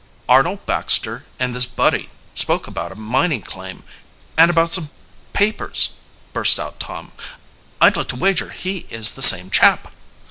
"Arnold Baxter and this Buddy spoke about a mining claim, and about some papers," burst out Tom. "I'd like to wager he is the same chap!"